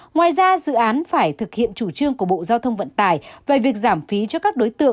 ngoài ra dự án phải thực hiện chủ trương của bộ giao thông vận tải